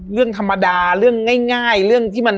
เรื่องธรรมดาเรื่องง่ายเรื่องที่มัน